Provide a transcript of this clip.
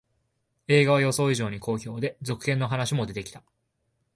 映画は予想以上に好評で、続編の話も出てきた